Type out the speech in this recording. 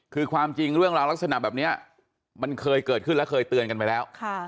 คือความจริงเรื่องราวลักษณะแบบนี้มันเคยเกิดขึ้นและเคยเตือนกันไปแล้ว